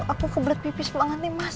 aku kebelet pipi semangat nih mas